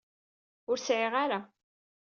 Ur sɛiɣ ara.